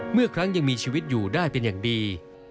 เมื่อครั้งยังมีชีวิตอยู่ได้เป็นอย่างดี